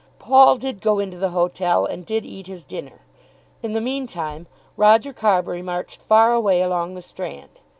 Paul did go into the hotel, and did eat his dinner. In the meantime Roger Carbury marched far away along the strand.